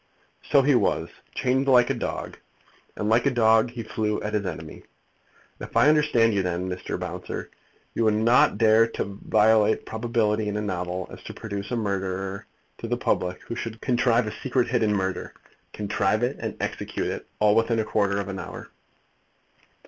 "So he was; chained like a dog; and like a dog he flew at his enemy. If I understand you, then, Mr. Bouncer, you would not dare so to violate probability in a novel, as to produce a murderer to the public who should contrive a secret hidden murder, contrive it and execute it, all within a quarter of an hour?"